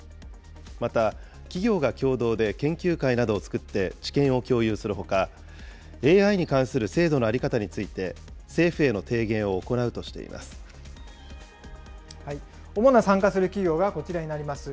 また企業が共同で研究会などを作って知見を共有するほか、ＡＩに関する制度の在り方について、政府への提言を行うとしてい主な参加する企業がこちらになります。